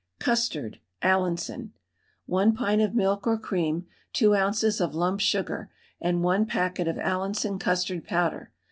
CUSTARD (ALLINSON). 1 pint of milk or cream, 2 oz. of lump sugar and 1 packet of Allinson custard powder.